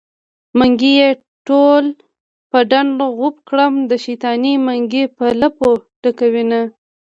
منګي يې ټول په ډنډ غوپه کړم د شيطانۍ منګی په لپو ډکوينه